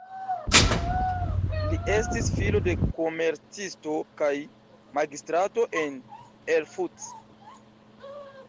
Li estis filo de komercisto kaj magistrato en Erfurt.